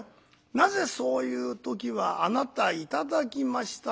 なぜそういう時は『あなた頂きました』って言えないの？